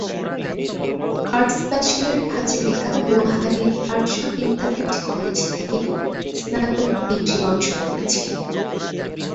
Arts bachelor Hazarika গুয়াহাটির Arya Vidyapeeth college থেকে স্নাতক ডিগ্রি অর্জন করেছিলেন।